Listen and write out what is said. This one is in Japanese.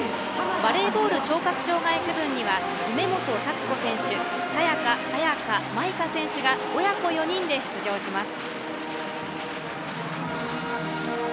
バレーボール聴覚障害区分には梅本祥子選手沙也華、綾也華、舞衣華選手が親子４人で出場します。